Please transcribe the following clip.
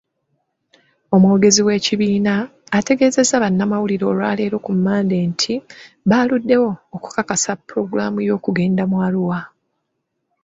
Omwogezi w'ekibiina, ategeezezza bannamawulire olwaleero ku Mmande nti, baluddewo okukakasa pulogulaamu y'okugenda mu Arua